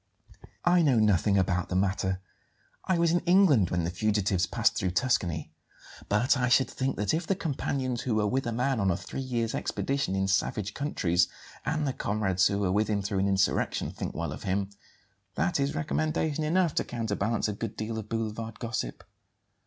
"I know nothing about the matter; I was in England when the fugitives passed through Tuscany. But I should think that if the companions who were with a man on a three years' expedition in savage countries, and the comrades who were with him through an insurrection, think well of him, that is recommendation enough to counterbalance a good deal of boulevard gossip."